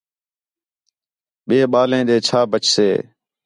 ٻئے ٻالیں ݙے چھا بچسے